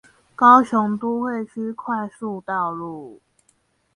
高雄都會區快速道路